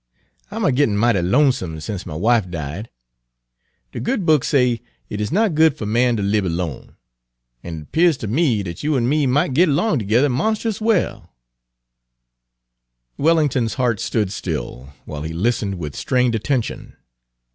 I'm a gittin' mighty lonesone sence my wife died. De Good Book say it is not good fer man ter lib alone, en it 'pears ter me dat you an' me mought git erlong tergether monst'us well." Wellington's heart stood still, while he Page 265 listened with strained attention.